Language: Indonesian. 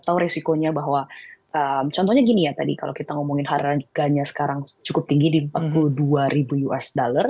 tahu resikonya bahwa contohnya gini ya tadi kalau kita ngomongin harganya sekarang cukup tinggi di empat puluh dua ribu usd